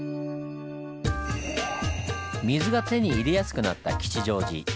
水が手に入れやすくなった吉祥寺。